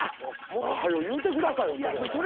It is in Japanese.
もっと早う言うてください。